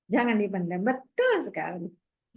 jangan dibendam betul sekali